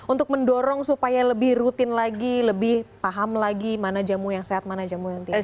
untuk mendorong supaya lebih rutin lagi lebih paham lagi mana jamu yang sehat mana jamu yang tidak